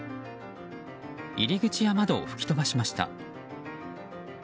入り口や窓を吹き飛ばしました。